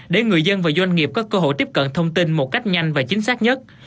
để người dân và doanh nghiệp có cơ hội tiếp cận thông tin một cách nhanh và chính xác nhất